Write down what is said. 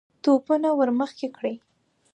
توپونه ور مخکې کړئ!